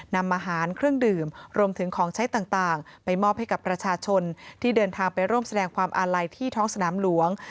นำอาหารเครื่องดื่มรวมถึงของใช้ต่างไปมอบให้กับประชาชนที่เดินทางไปร่วมแสดงความอาลัยที่ท้องสนามหลวง